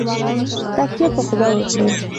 تککیه په خدای وکړئ